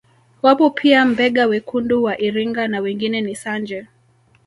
Wapo pia Mbega wekundu wa Iringa na wengine ni Sanje